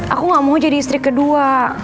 aku gak mau jadi istri kedua